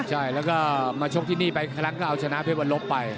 ใช่แล้วก็มาชกที่นี่ไปครั้งก็เอาชนะเพชรวันลบไป